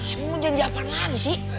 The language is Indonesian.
emang lo mau janji apaan lagi sih